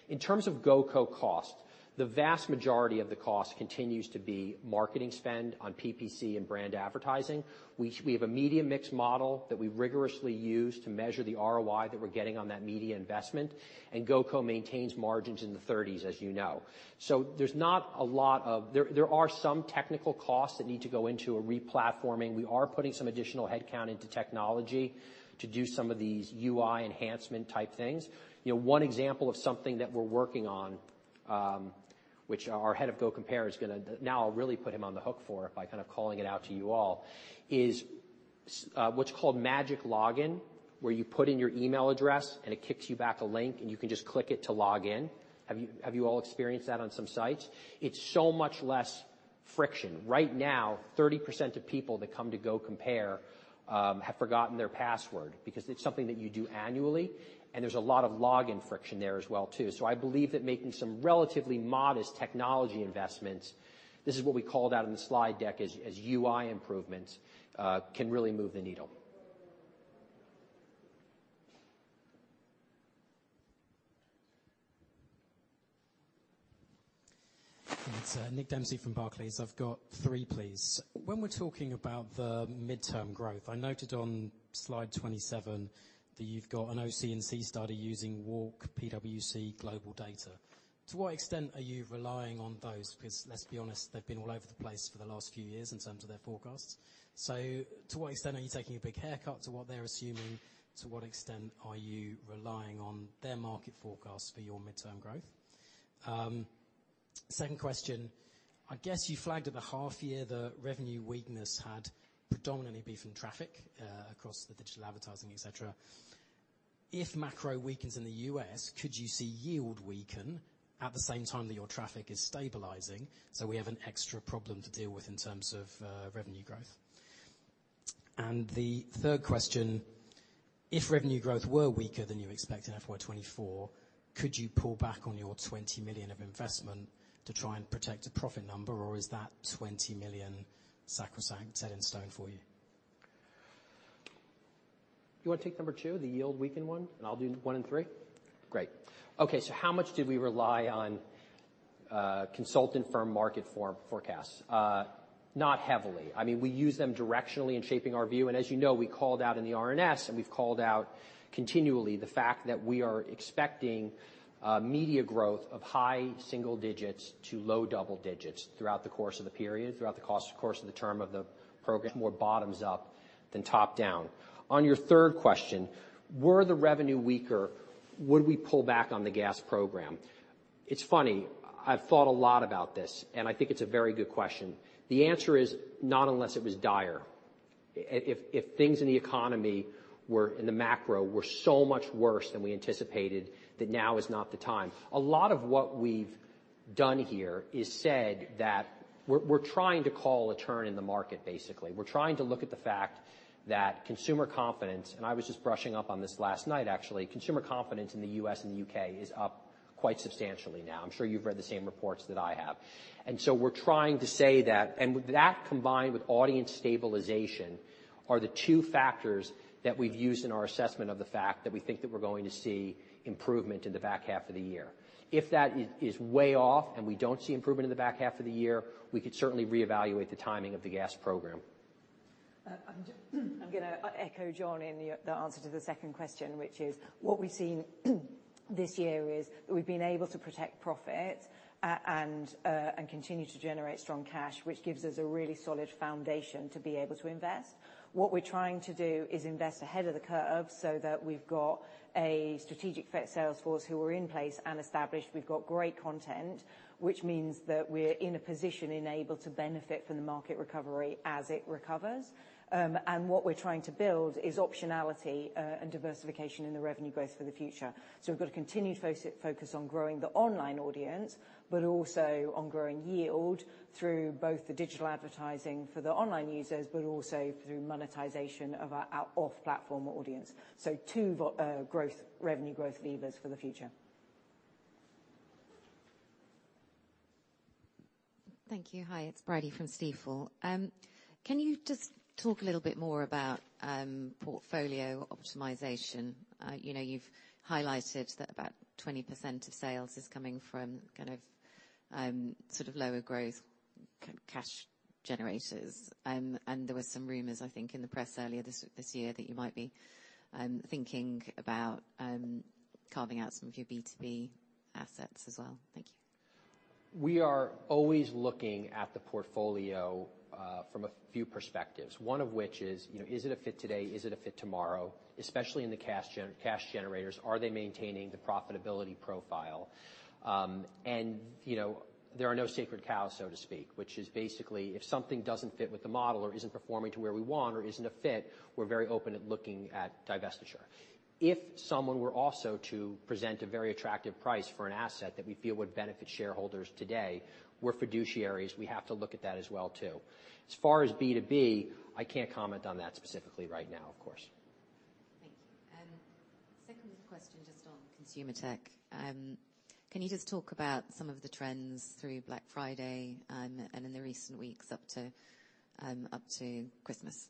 In terms of GoCo cost, the vast majority of the cost continues to be marketing spend on PPC and brand advertising. We have a media mix model that we rigorously use to measure the ROI that we're getting on that media investment, and GoCo maintains margins in the thirties, as you know. So there's not a lot of... There, there are some technical costs that need to go into a replatforming. We are putting some additional headcount into technology to do some of these UI enhancement-type things. You know, one example of something that we're working on, which our head of Go.Compare is gonna—now I'll really put him on the hook for it by kind of calling it out to you all, is what's called magic login, where you put in your email address, and it kicks you back a link, and you can just click it to log in. H ave you, have you all experienced that on some sites? It's so much less friction. Right now, 30% of people that come to Go.Compare have forgotten their password because it's something that you do annually, and there's a lot of login friction there as well, too. So I believe that making some relatively modest technology investments, this is what we called out in the slide deck as UI improvements, can really move the needle. It's Nick Dempsey from Barclays. I've got three, please. When we're talking about the midterm growth, I noted on slide 27 that you've got an OC&C study using with PwC global data. To what extent are you relying on those? Because let's be honest, they've been all over the place for the last few years in terms of their forecasts. So to what extent are you taking a big haircut to what they're assuming? To what extent are you relying on their market forecasts for your midterm growth? Second question: I guess you flagged at the half year the revenue weakness had predominantly been from traffic across the digital advertising, et cetera. If macro weakens in the U.S., could you see yield weaken at the same time that your traffic is stabilizing, so we have an extra problem to deal with in terms of, revenue growth? And the third question: If revenue growth were weaker than you expect in FY 2024, could you pull back on your 20 million of investment to try and protect a profit number, or is that 20 million sacrosanct, set in stone for you? You want to take number two, the yield weakening one, and I'll do one and three? Great. Okay, so how much did we rely on consultant firm market forecasts? Not heavily. I mean, we use them directionally in shaping our view, and as you know, we called out in the RNS, and we've called out continually the fact that we are expecting media growth of high single digits to low double digits throughout the course of the period, throughout the course of the term of the program, more bottoms up than top down. On your third question, were the revenue weaker, would we pull back on the GAS program? It's funny, I've thought a lot about this, and I think it's a very good question. The answer is not unless it was dire. If things in the economy were in the macro so much worse than we anticipated, that now is not the time. A lot of what we've done here is said that we're trying to call a turn in the market, basically. We're trying to look at the fact that consumer confidence, and I was just brushing up on this last night, actually, consumer confidence in the U.S. and the U.K. is up quite substantially now. I'm sure you've read the same reports that I have. And so we're trying to say that. And with that, combined with audience stabilization, are the two factors that we've used in our assessment of the fact that we think that we're going to see improvement in the back half of the year. If that is way off, and we don't see improvement in the back half of the year, we could certainly reevaluate the timing of the GAS program. I'm gonna echo Jon in the answer to the second question, which is: what we've see this year is that we've been able to protect profit, and, and continue to generate strong cash, which gives us a really solid foundation to be able to invest. What we're trying to do is invest ahead of the curve so that we've got a strategic fit sales force who are in place and established. We've got great content, which means that we're in a position and able to benefit from the market recovery as it recovers. And what we're trying to build is optionality, and diversification in the revenue growth for the future. So we've got a continued focus on growing the online audience, but also on growing yield through both the digital advertising for the online users, but also through monetization of our off-platform audience. So two growth, revenue growth levers for the future. Thank you. Hi, it's Brady from Stifel. Can you just talk a little bit more about, portfolio optimization? You know, you've highlighted that about 20% of sales is coming from kind of, sort of lower growth cash generators. There were some rumors, I think, in the press earlier this year, that you might be, thinking about, carving out some of your B2B assets as well. Thank you. We are always looking at the portfolio from a few perspectives, one of which is, you know, is it a fit today? Is it a fit tomorrow? Especially in the cash generators, are they maintaining the profitability profile? And, you know, there are no sacred cows, so to speak, which is basically, if something doesn't fit with the model or isn't performing to where we want or isn't a fit, we're very open at looking at divestiture. If someone were also to present a very attractive price for an asset that we feel would benefit shareholders today, we're fiduciaries, we have to look at that as well, too. As far as B2B, I can't comment on that specifically right now, of course. Thank you. Second question, just on consumer tech. Can you just talk about some of the trends through Black Friday, and in the recent weeks up to, up to Christmas?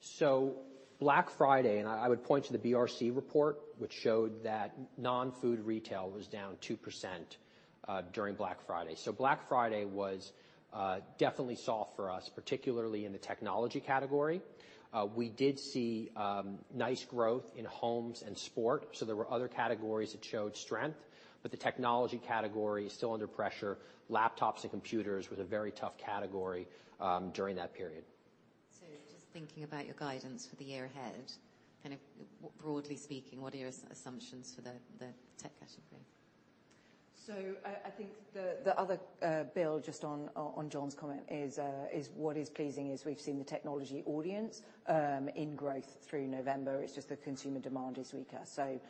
So Black Friday, and I, I would point to the BRC report, which showed that non-food retail was down 2%, during Black Friday. So Black Friday was definitely soft for us, particularly in the technology category. We did see nice growth in homes and sport, so there were other categories that showed strength, but the technology category is still under pressure. Laptops and computers was a very tough category, during that period. So just thinking about your guidance for the year ahead, kind of broadly speaking, what are your assumptions for the tech category? So I think the other build, just on Jon's comment, is what is pleasing is we've seen the technology audience in growth through November. It's just the consumer demand is weaker. So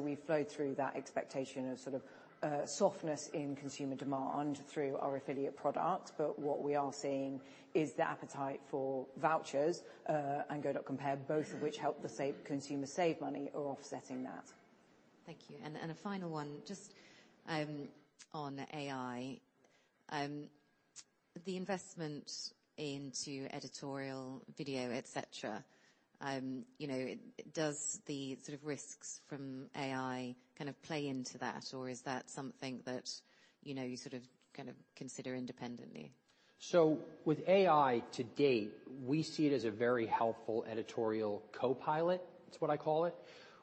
we've flowed through that expectation of sort of softness in consumer demand through our affiliate product. But what we are seeing is the appetite for vouchers and Go.Compare, both of which help the consumer save money are offsetting that. Thank you. And a final one, just on AI. The investment into editorial, video, et cetera, you know, does the sort of risks from AI kind of play into that, or is that something that, you know, you sort of, kind of consider independently? So with AI, to date, we see it as a very helpful editorial co-pilot. It's what I call it,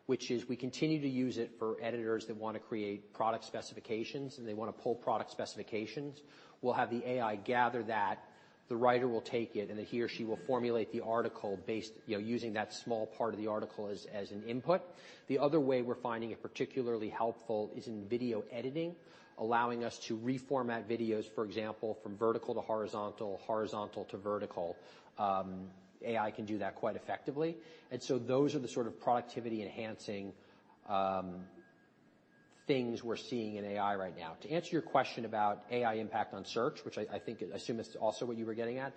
which is we continue to use it for editors that wanna create product specifications and they want to pull product specifications. We'll have the AI gather that, the writer will take it, and then he or she will formulate the article based, you know, using that small part of the article as an input. The other way we're finding it particularly helpful is in video editing, allowing us to reformat videos, for example, from vertical to horizontal, horizontal to vertical. AI can do that quite effectively. And so those are the sort of productivity-enhancing things we're seeing in AI right now. To answer your question about AI impact on search, which I think I assume is also what you were getting at,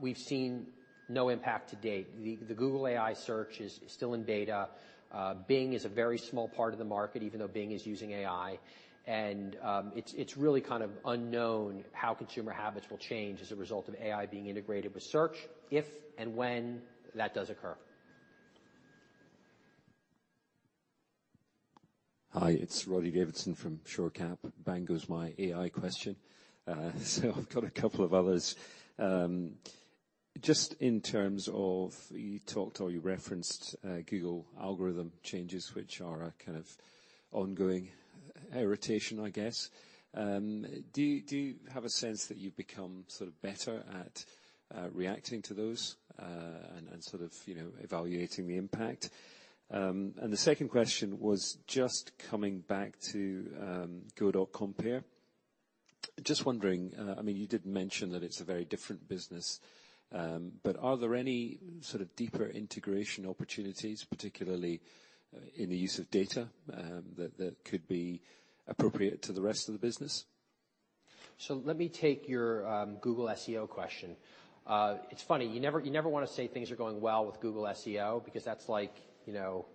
we've seen no impact to date. The Google AI search is still in beta. Bing is a very small part of the market, even though Bing is using AI. And it's really kind of unknown how consumer habits will change as a result of AI being integrated with search, if and when that does occur. Hi, it's Roddy Davidson from Shore Cap. Bang goes my AI question. So I've got a couple of others. Just in terms of... You talked or you referenced Google algorithm changes, which are a kind of ongoing irritation, I guess. Do you, do you have a sense that you've become sort of better at reacting to those and sort of, you know, evaluating the impact? And the second question was just coming back to Go.Compare. Just wondering, I mean, you did mention that it's a very different business, but are there any sort of deeper integration opportunities, particularly in the use of data, that could be appropriate to the rest of the business? So let me take your Google SEO question. It's funny, you never, you never wanna say things are going well with Google SEO, because that's like, you know,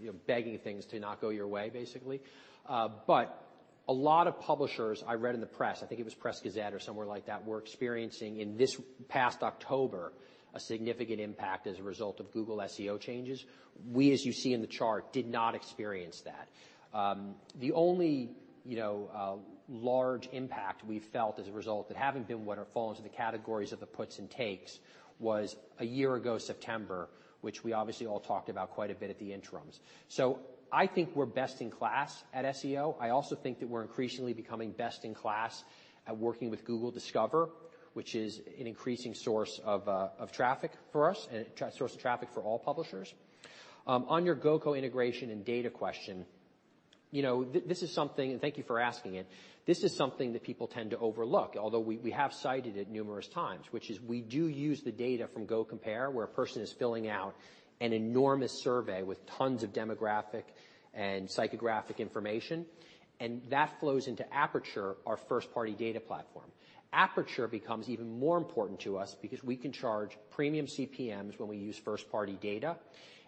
you're begging things to not go your way, basically. But a lot of publishers, I read in the press, I think it was Press Gazette or somewhere like that, were experiencing in this past October, a significant impact as a result of Google SEO changes. We, as you see in the chart, did not experience that. The only, you know, large impact we felt as a result that having been what fall into the categories of the puts and takes, was a year ago, September, which we obviously all talked about quite a bit at the interims. So I think we're best in class at SEO. I also think that we're increasingly becoming best in class at working with Google Discover, which is an increasing source of traffic for us and a source of traffic for all publishers. On your GoCo integration and data question, you know, this is something, and thank you for asking it. This is something that people tend to overlook, although we have cited it numerous times, which is we do use the data from Go.Compare, where a person is filling out an enormous survey with tons of demographic and psychographic information, and that flows into Aperture, our first-party data platform. Aperture becomes even more important to us because we can charge premium CPMs when we use first-party data,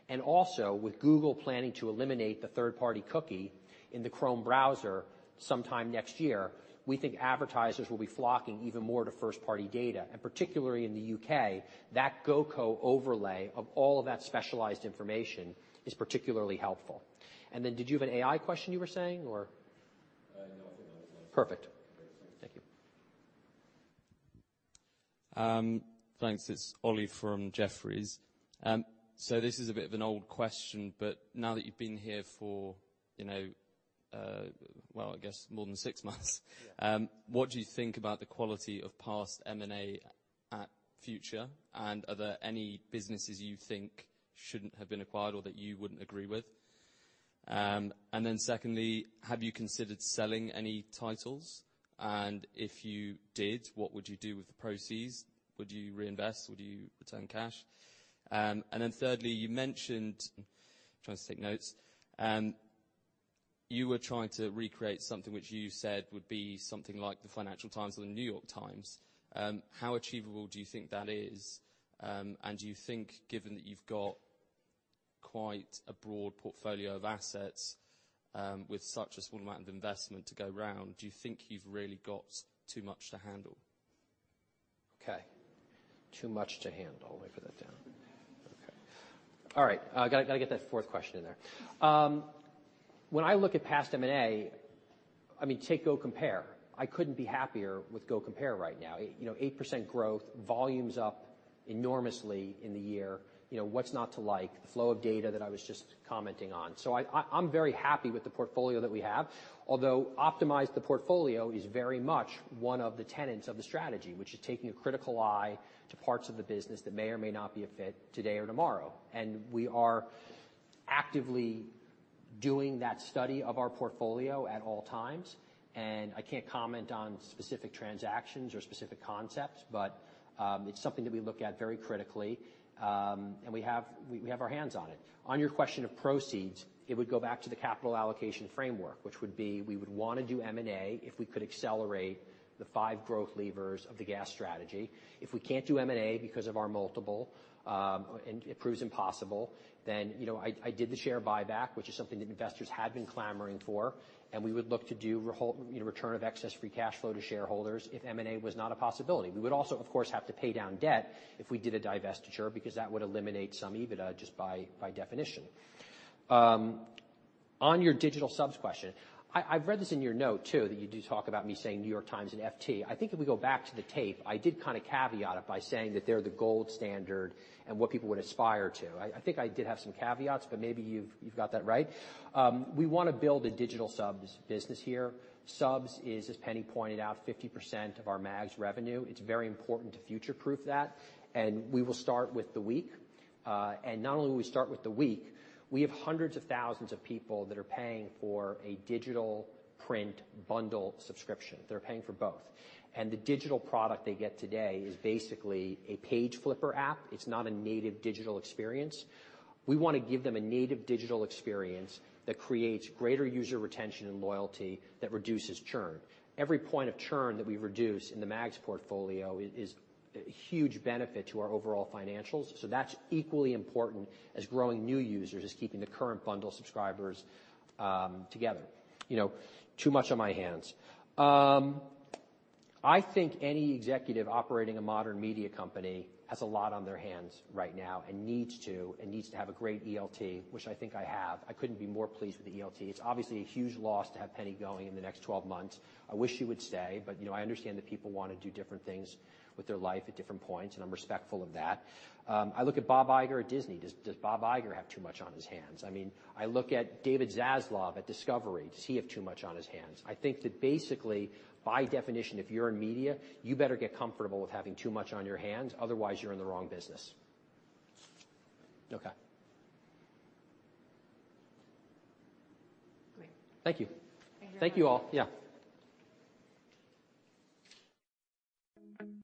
and also with Google planning to eliminate the third-party cookie in the Chrome browser sometime next year, we think advertisers will be flocking even more to first-party data, and particularly in the U.K., that GoCo overlay of all of that specialized information is particularly helpful. And then did you have an AI question you were saying, or? No, I think that was it. Perfect. Thank you. Thanks. It's Ollie from Jefferies. So this is a bit of an old question, but now that you've been here for, you know, well, I guess more than six months, Yeah. What do you think about the quality of past M&A at Future? And are there any businesses you think shouldn't have been acquired or that you wouldn't agree with? And then secondly, have you considered selling any titles? And if you did, what would you do with the proceeds? Would you reinvest? Would you return cash? And then thirdly, you mentioned... Trying to take notes. You were trying to recreate something which you said would be something like the Financial Times or the New York Times. How achievable do you think that is? And do you think, given that you've got quite a broad portfolio of assets, with such a small amount of investment to go around, do you think you've really got too much to handle? Okay. Too much to handle. Let me write that down. Okay. All right, I gotta, gotta get that fourth question in there. When I look at past M&A, I mean, take Go.Compare. I couldn't be happier with Go.Compare right now. You know, 8% growth, volumes up enormously in the year. You know, what's not to like? The flow of data that I was just commenting on. So I'm very happy with the portfolio that we have, although optimize the portfolio is very much one of the tenets of the strategy, which is taking a critical eye to parts of the business that may or may not be a fit today or tomorrow. We are actively doing that study of our portfolio at all times, and I can't comment on specific transactions or specific concepts, but it's something that we look at very critically. And we have our hands on it. On your question of proceeds, it would go back to the capital allocation framework, which would be, we would wanna do M&A if we could accelerate the five growth levers of the GAS strategy. If we can't do M&A because of our multiple, and it proves impossible, then, you know, I did the share buyback, which is something that investors had been clamoring for, and we would look to do you know, return of excess free cash flow to shareholders if M&A was not a possibility. We would also, of course, have to pay down debt if we did a divestiture, because that would eliminate some EBITDA just by definition. On your digital subs question, I, I've read this in your note, too, that you do talk about me saying New York Times and FT. I think if we go back to the tape, I did kind of caveat it by saying that they're the gold standard and what people would aspire to. I, I think I did have some caveats, but maybe you've got that right. We wanna build a digital subs business here. Subs is, as Penny pointed out, 50% of our mags revenue. It's very important to future-proof that, and we will start with The Week. And not only will we start with The Week, we have hundreds of thousands of people that are paying for a digital print bundle subscription. They're paying for both. And the digital product they get today is basically a page flipper app. It's not a native digital experience. We wanna give them a native digital experience that creates greater user retention and loyalty that reduces churn. Every point of churn that we reduce in the mags portfolio is, is a huge benefit to our overall financials, so that's equally important as growing new users, is keeping the current bundle subscribers together. You know, too much on my hands. I think any executive operating a modern media company has a lot on their hands right now, and needs to, and needs to have a great ELT, which I think I have. I couldn't be more pleased with the ELT. It's obviously a huge loss to have Penny going in the next 12 months. I wish she would stay, but, you know, I understand that people want to do different things with their life at different points, and I'm respectful of that. I look at Bob Iger at Disney. Does, does Bob Iger have too much on his hands? I mean, I look at David Zaslav at Discovery. Does he have too much on his hands? I think that basically, by definition, if you're in media, you better get comfortable with having too much on your hands, otherwise, you're in the wrong business. Okay. Great. Thank you. Thank you. Thank you, all. Yeah.